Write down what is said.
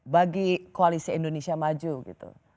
bagi koalisi indonesia maju gitu